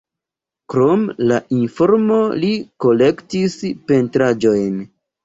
Krom la informo li kolektis pentraĵojn.